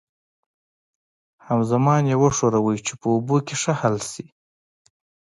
همزمان یې وښورئ چې په اوبو کې ښه حل شي.